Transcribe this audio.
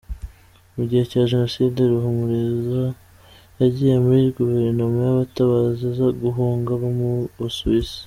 Mugihe cya Jenoside, Ruhumuriza yagiye muri Guverinoma y’abatabazi, aza guhunga aba mu Busuwisi.